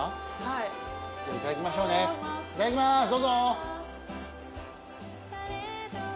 いただきますどうぞ。